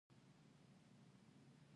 په افغانستان کې سیلابونه ډېر اهمیت لري.